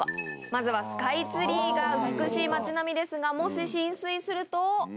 まずはスカイツリーが美しい街並みですがもし浸水すると。